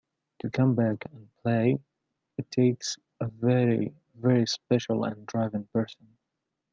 To come back and play, it takes a very, very special and driven person.